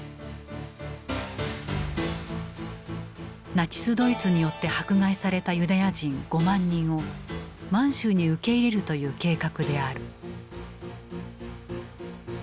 ナチス・ドイツによって迫害されたユダヤ人５万人を満州に受け入れるという計画である。